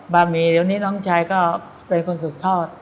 หมี่เดี๋ยวนี้น้องชายก็เป็นคนสืบทอด